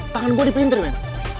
tangan gue dipinter men